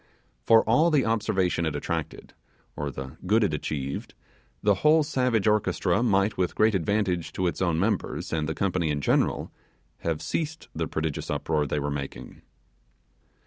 For all the observation it attracted, or the good it achieved, the whole savage orchestra might with great advantage to its own members and the company in general, have ceased the prodigious uproar they were making.